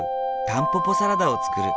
タンポポサラダを作る。